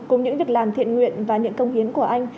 cùng những việc làm thiện nguyện và những công hiến của anh